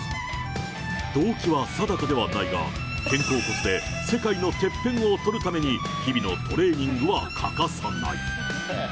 動機は定かではないが、肩甲骨で世界のてっぺんを取るために、日々のトレーニングは欠かさない。